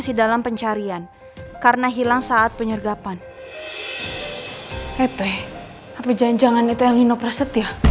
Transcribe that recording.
saya benar benar peduli dengan elsa